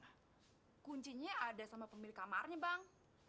nah kuncinya ada sama pemilik kamarnya bang